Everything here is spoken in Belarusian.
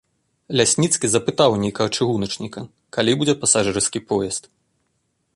Лясніцкі запытаў у нейкага чыгуначніка, калі будзе пасажырскі поезд.